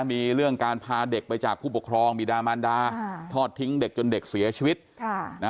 มีเรื่องการพาเด็กไปจากผู้ปกครองมีดามันดาทอดทิ้งเด็กจนเด็กเสียชีวิต